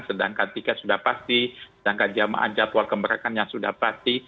sedangkan tiket sudah pasti sedangkan jamaah jadwal kemerdekaan yang sudah pasti